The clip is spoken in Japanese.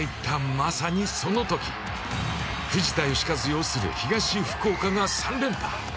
まさにそのとき、藤田慶和擁する東福岡が３連覇。